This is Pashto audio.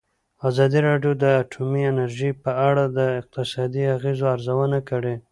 ازادي راډیو د اټومي انرژي په اړه د اقتصادي اغېزو ارزونه کړې.